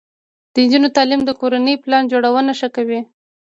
د نجونو تعلیم د کورنۍ پلان جوړونه ښه کوي.